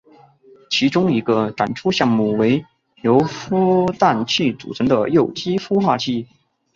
其中一个展出项目为由孵蛋器组成的幼鸡孵化器。